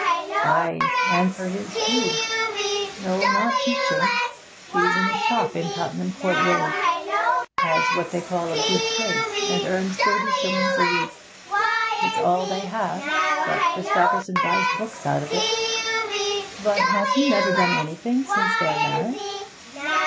'Ay, and for his too. No, not teaching; she's in a shop in Tottenham Court Road; has what they call a good place, and earns thirty shillings a week. It's all they have, but Christopherson buys books out of it.' 'But has he never done anything since their marriage?'